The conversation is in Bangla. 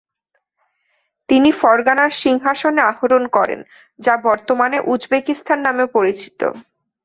তিনি ফরগানার সিংহাসনে আরোহণ করেন যা বর্তমানে উজবেকিস্তান নামে পরিচিত।